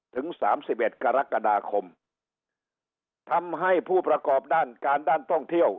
ถึง๓๑กรกฎาคมทำให้ผู้ประกอบด้านการด้านท่องเที่ยว